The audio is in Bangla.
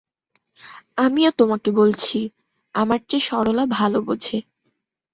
আমিও তোমাকে বলছি, আমার চেয়ে সরলা ভালো বোঝে।